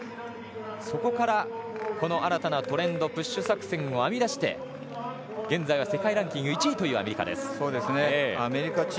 そこから、この新たなトレンドプッシュ作戦を編み出して、現在は世界ランキング１位というアメリカ。